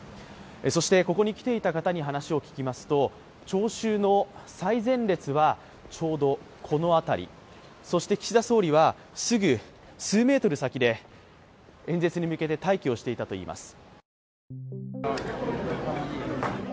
そして、ここに来ていた方に話を聞きますと、聴衆の最前列はちょうどこの辺り、そして岸田総理はすぐ数ｍ先で演説に向けて待機していたといいます。